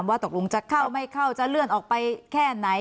ว่าตกลงจะเข้าไม่เข้าจะเลื่อนออกไปแค่ไหน